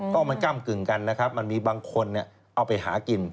ก็มันก้ำกึ่งกันนะครับมันมีบางคนเอาไปหากิน